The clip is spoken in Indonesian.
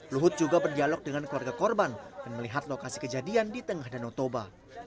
luhut juga berdialog dengan keluarga korban dan melihat lokasi kejadian di tengah danau toba